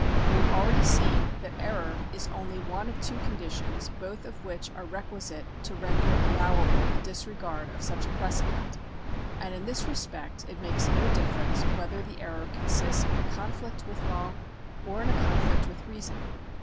We have already seen that error is only one of two conditions, both of which are requisite to render allow able the disregard of such a precedent, and in this respect it makes no difference whether the error consists in a conflict with law or in a conflict with reason.